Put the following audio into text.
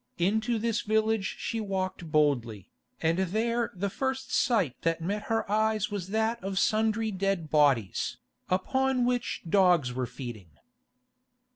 Into this village she walked boldly, and there the first sight that met her eyes was that of sundry dead bodies, upon which dogs were feeding.